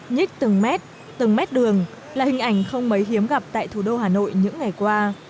nhích từng mét từng mét đường là hình ảnh không mấy hiếm gặp tại thủ đô hà nội những ngày qua